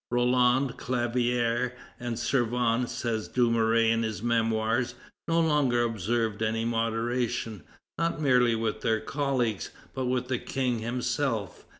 "Roland, Clavière, and Servan," says Dumouriez in his Memoirs, "no longer observed any moderation, not merely with their colleagues, but with the King himself.